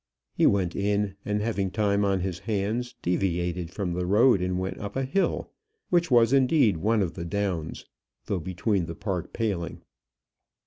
He went in, and having time on his hands, deviated from the road and went up a hill, which was indeed one of the downs, though between the park paling.